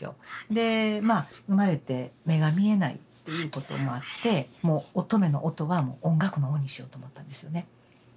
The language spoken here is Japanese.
でまあ生まれて目が見えないっていうこともあってもう「おとめ」の「おと」は音楽の「音」にしようと思ったんですよね。